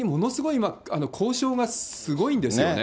今、交渉がすごいんですよね。